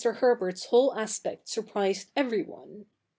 Herbert's whole aspect surprised everyone.